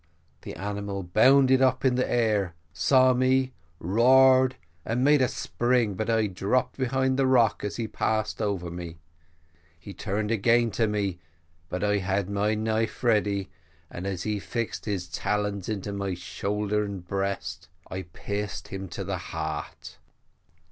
The animal bounded up in the air, saw me, roared and made a spring, but I dropped behind the rock, and he passed over me. He turned again to me, but I had my knife ready, and, as he fixed his talons into my shoulder and breast, I pierced him to the heart.